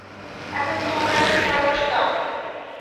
এখন তোমরা কী পরামর্শ দাও?